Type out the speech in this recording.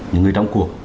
những người trong cuộc